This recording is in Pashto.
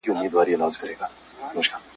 هغه د شعرونو دوولس مجموعې چاپ کړې ..